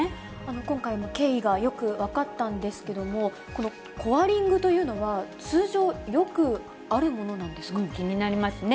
今回の経緯がよく分かったんですけれども、このコアリングというのは、通常、よくあるものな気になりますね。